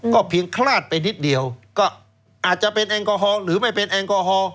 เพียงคลาดไปนิดเดียวก็อาจจะเป็นแอลกอฮอลหรือไม่เป็นแอลกอฮอล์